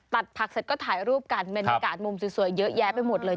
ผักเสร็จก็ถ่ายรูปกันบรรยากาศมุมสวยเยอะแยะไปหมดเลย